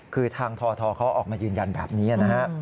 คือทางททเขาออกมายืนยันแบบนี้นะฮะ